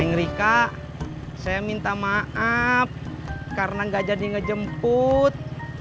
neng rika saya minta maaf karena gak jadi ngejemput